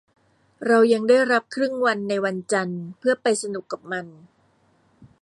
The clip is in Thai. เรายังได้รับครึ่งวันในวันจันทร์เพื่อไปสนุกกับมัน